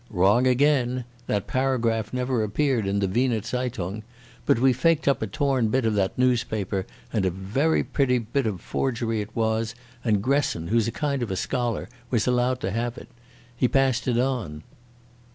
"Wrong again. The paragraph never appeared in the Weser Zeitung. But we faked up a torn bit of that noospaper, and a very pretty bit of forgery it was, and Gresson, who's a kind of a scholar, was allowed to have it. He passed it on.